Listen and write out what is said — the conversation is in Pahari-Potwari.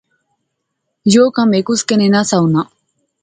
یو کم ہیک اس کنے نہسا ہونا